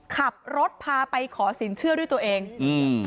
ขับรถพาไปขอสินเชื่อด้วยตัวเองอืม